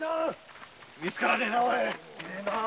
見つからねえなぁ！